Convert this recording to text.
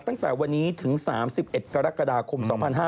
ตั้งแต่วันนี้ถึง๓๑กรกฎาคม๒๕๕๙